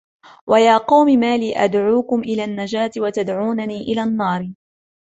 وَيَا قَوْمِ مَا لِي أَدْعُوكُمْ إِلَى النَّجَاةِ وَتَدْعُونَنِي إِلَى النَّارِ